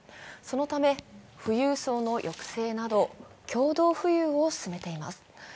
そのため、富裕層の抑制など、共同富裕を進めています。